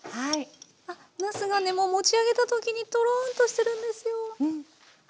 あっなすがねもう持ち上げた時にとろんとしてるんですよ。